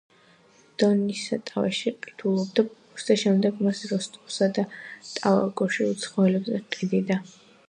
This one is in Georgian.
დონის სატავეში ყიდულობდა პურს და შემდეგ მას როსტოვსა და ტაგანროგში უცხოელებზე ჰყიდდა.